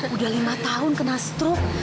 udah lima tahun kena stroke